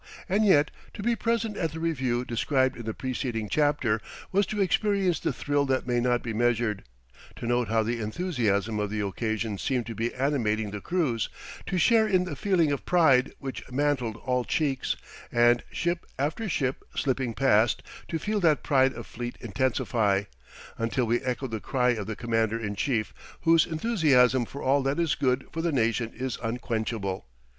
And yet, to be present at the review described in the preceding chapter was to experience the thrill that may not be measured, to note how the enthusiasm of the occasion seemed to be animating the crews, to share in the feeling of pride which mantled all cheeks, and, ship after ship slipping past, to feel that pride of fleet intensify, until we echoed the cry of the Commander in Chief, whose enthusiasm for all that is good for the nation is unquenchable.